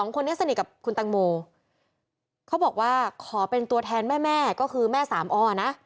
คนนี้สนิทกับคุณตังโมเขาบอกว่าขอเป็นตัวแทนแม่แม่ก็คือแม่สามอ้อนะ